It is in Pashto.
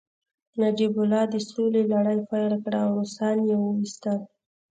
نجیب الله د سولې لړۍ پیل کړه او روسان يې وويستل